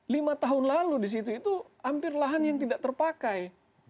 lima tahun lalu di situ itu hampir lahan yang tidak terpakai